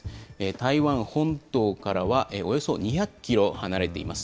台湾本島からはおよそ２００キロ離れています。